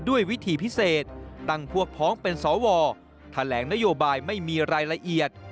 ด้วยวิธีพิเศษตั้งพวกพ้องเป็นสวแถลงนโยบายไม่มีรายละเอียด